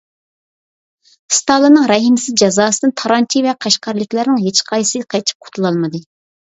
ستالىننىڭ رەھىمسىز جازاسىدىن تارانچى ۋە قەشقەرلىكلەرنىڭ ھېچقايسىسى قېچىپ قۇتۇلالمىدى.